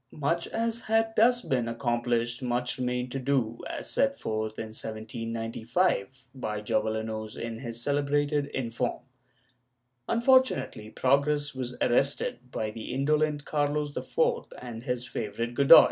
^ Much as had thus been accomplished, much remained to do, as set forth, in 1795, by Jovellanos in his celebrated ''Informe." Unfortunately progress was arrested by the indolent Carlos IV and his favorite Godoy.